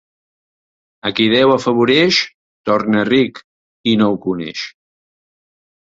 A qui Déu afavoreix torna ric i no ho coneix.